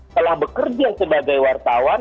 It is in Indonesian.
telah bekerja sebagai wartawan